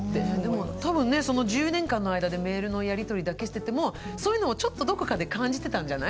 多分ねその１０年間の間でメールのやりとりだけしててもそういうのをちょっとどこかで感じてたんじゃない？